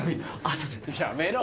やめろ。